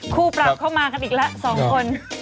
ปรับเข้ามากันอีกแล้ว๒คน